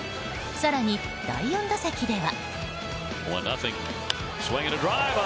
更に、第４打席では。